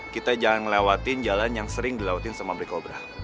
kita jangan ngelewatin jalan yang sering dilautin sama black cobra